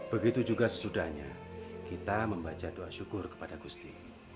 begitu juga sesudahnya kita membaca doa syukur kepada gusti